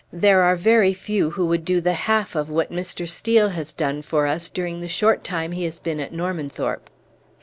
There are very few who would do the half of what Mr. Steel has done for us during the short time he has been at Normanthorpe."